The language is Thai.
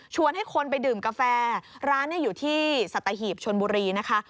ให้คนไปดื่มกาแฟร้านอยู่ที่สัตหีบชนบุรีนะคะ